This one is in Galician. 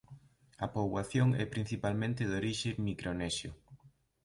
A poboación é principalmente de orixe micronesio.